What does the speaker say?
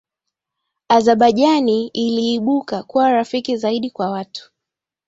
Azabajani iliibuka kuwa rafiki zaidi kwa watu